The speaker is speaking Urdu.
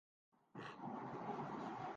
اسپینش کلب ریال میڈرڈ نے انٹر میلان کو شکست دے دی